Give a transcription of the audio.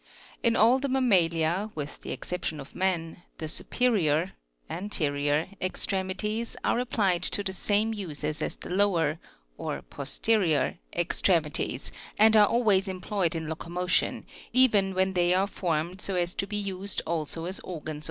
In all the mammalia, with the exception of man, the superior (anterior) extremities are ap plied to the same uses as the lower (or posterior; extremities, and are always employed in locomotion, even when they are formed so as to be used also as organs